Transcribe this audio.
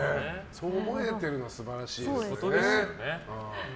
そう思えてるのは素晴らしいですね。